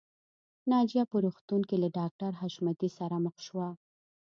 ناجیه په روغتون کې له ډاکټر حشمتي سره مخ شوه